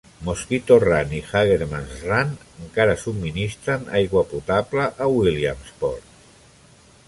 Mosquito Run i Hagerman's Run encara subministren aigua potable a Williamsport.